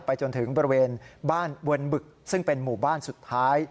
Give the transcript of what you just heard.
จนถึงบริเวณบ้านเวิร์นบึกซึ่งเป็นหมู่บ้านสุดท้าย